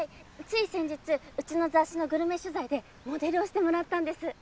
つい先日うちの雑誌のグルメ取材でモデルをしてもらったんです。